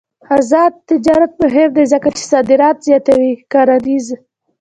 آزاد تجارت مهم دی ځکه چې صادرات زیاتوي کرنيز.